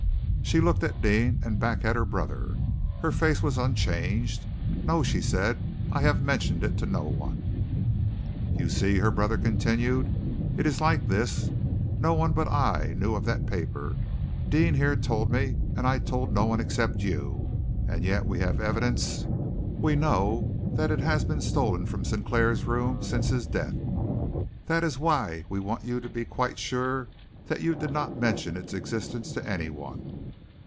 She looked at Deane and back at her brother. Her face was unchanged. "No!" she said. "I have mentioned it to no one." "You see," her brother continued, "it's like this. No one but I knew of that paper. Deane here told me, and I told no one except you. And yet we have evidence, we know that it has been stolen from Sinclair's room since his death. That is why we want you to be quite sure that you did not mention its existence to anyone."